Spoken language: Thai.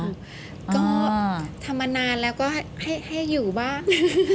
ก็ทำมานานแล้วก็ให้อยู่บ้าง